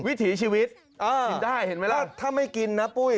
วิถีชีวิตกินได้เห็นไหมล่ะถ้าไม่กินนะปุ้ย